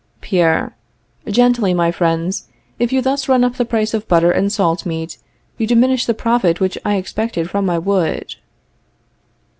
Pierre. Gently, my friends; if you thus run up the price of butter and salt meat, you diminish the profit which I expected from my wood.